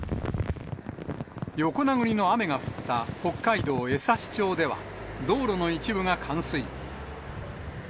横殴りの雨が降った北海道江差町では、道路の一部が冠水。